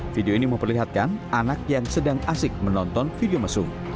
video ini memperlihatkan anak yang sedang asik menonton video mesum